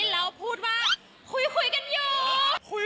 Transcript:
แล้วพูดว่าคุยกันอยู่